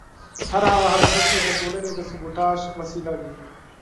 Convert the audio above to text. هر هغه حرکت چې د ټولنې د سبوټاژ وسیله وي.